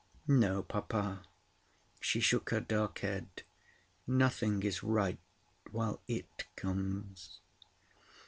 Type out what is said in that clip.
"No, papa." She shook her dark head. "Nothing is right while it comes."